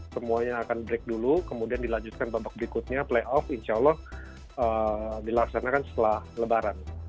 semuanya akan break dulu kemudian dilanjutkan babak berikutnya playoff insya allah dilaksanakan setelah lebaran